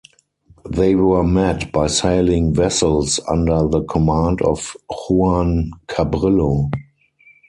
They were met by sailing vessels under the command of Juan Cabrillo.